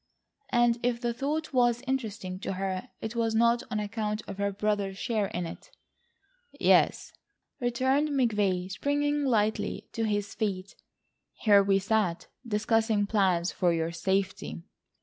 And if the thought was interesting to her, it was not on account of her brother's share in it. "Yes," returned McVay, springing lightly to his feet. "Here we sat discussing plans for your safety."